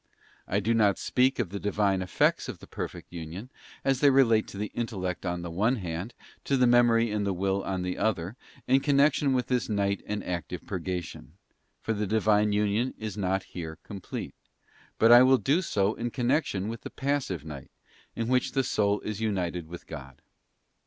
I do not speak of the Divine effects of the perfect union, as they relate to the Intellect on _ the one hand, to the Memory and the Will on the other, in _ connection with this Night and Active Purgation, for the _ Divine union is not here complete; but I will do so in con nection with the Passive Bigs in which the soul is united with God.